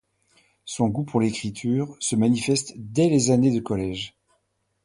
Son goût pour l'écriture se manifeste dès les années de collège.